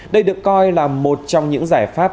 đây được coi là một trong những giải pháp